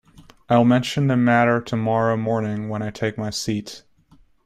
I will mention the matter tomorrow morning when I take my seat.